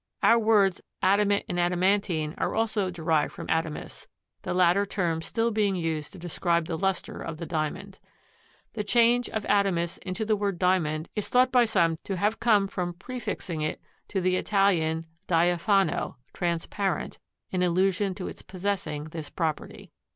Our words adamant and adamantine are also derived from adamas, the latter term still being used to describe the luster of the Diamond. The change of adamas into the word Diamond is thought by some to have come from prefixing to it the Italian diafano, transparent, in allusion to its possessing this property.